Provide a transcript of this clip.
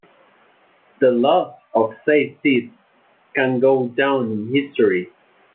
The loss of safe seats can go down in history.